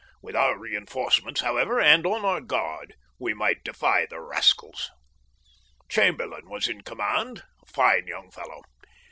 With our reinforcements, however, and on our guard, we might defy the rascals. Chamberlain was in command a fine young fellow.